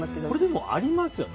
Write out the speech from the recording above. でも、ありますよね。